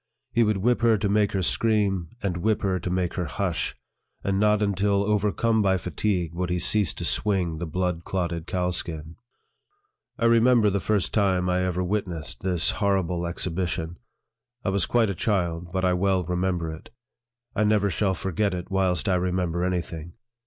He would whip her to make her scream, and whip her to make her hush ; and not until overcome by fatigue, would he cease to swing the blood clotted cowskin. I remember the first time I ever witnessed this horrible exhibition. I was quite a child, but I well remember it. I never shall forget it whilst I remember any thing.